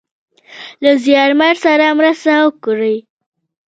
له زیارمل سره مرسته وکړﺉ .